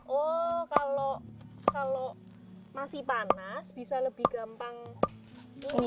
oh kalau masih panas bisa lebih gampang ini ya